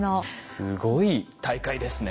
すごい大会ですね。